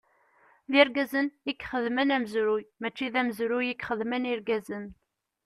D Irgazen i ixedmen amezruy mači d amezruy i ixedmen Irgazen.